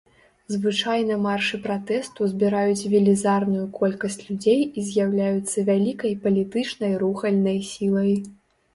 Звычайна маршы пратэсту збіраюць велізарную колькасць людзей і з'яўляюцца вялікай палітычнай рухальнай сілай.